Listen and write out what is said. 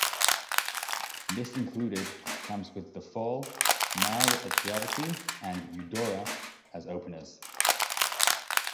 This included Comes With the Fall, Mad at Gravity and Udora as openers.